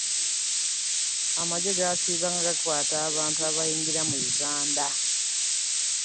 amaggye gaasiibanga gakwata abantu abayingira uganda.